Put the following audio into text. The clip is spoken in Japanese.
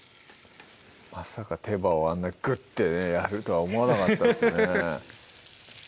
まさか手羽をあんなグッてねやるとは思わなかったですね